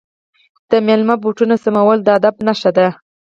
د میلمه بوټان سمول د ادب نښه ده.